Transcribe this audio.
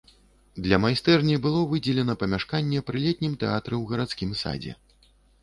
Для майстэрні было выдзелена памяшканне пры летнім тэатры ў гарадскім садзе.